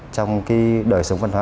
trong cái đời sống văn hóa